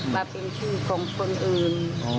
มาเป็นชื่อของคนอื่น